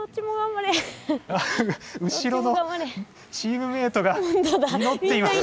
後ろのチームメートがいのっています。